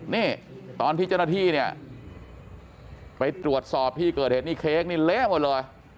นี่ตอนที่เจ้าหน้าที่เนี่ยไปตรวจสอบที่เกิดเหตุนี่เค้กนี่เละหมดเลย